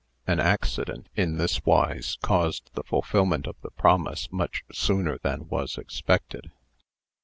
An accident, in this wise, caused the fulfilment of the promise much sooner than was expected.